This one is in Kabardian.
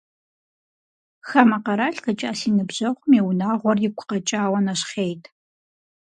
Хамэ къэрал къикӏа си ныбжьэгъум и унагъуэр игу къэкӏауэ нэщхъейт…